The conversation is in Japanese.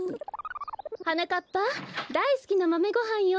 はなかっぱだいすきなまめごはんよ。